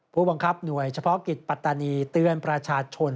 ผู้บังคับหน่วยเฉพาะกิจปัตตานีเตือนประชาชน